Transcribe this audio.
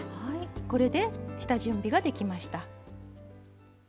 これで下準備ができました。